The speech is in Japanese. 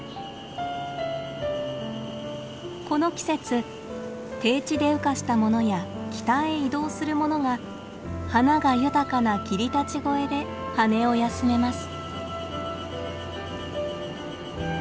この季節低地で羽化したものや北へ移動するものが花が豊かな霧立越で羽を休めます。